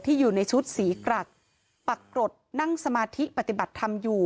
อยู่ในชุดสีกรักปักกรดนั่งสมาธิปฏิบัติธรรมอยู่